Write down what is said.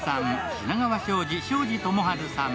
品川庄司・庄司智春さん